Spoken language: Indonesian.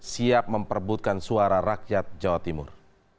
siap memperbutkan suara rakyat jawa timur